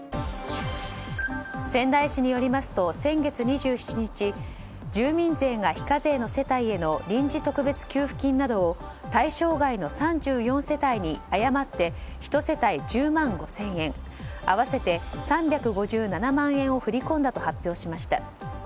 仙台市によりますと先月２７日住民税が非課税の世帯への臨時特別給付金などを対象外の３４世帯に誤って１世帯１０万５０００円合わせて３５７万円を振り込んだと発表しました。